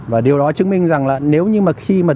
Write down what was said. và điều đó chứng minh rằng là nếu như mà khi mà